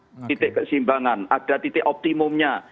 ada titik kesimbangan ada titik optimumnya